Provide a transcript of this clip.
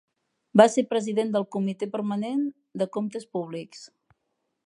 Va ser president del comitè permanent de comptes públics.